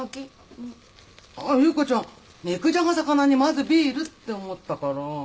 優子ちゃん肉じゃが肴にまずビールって思ったから。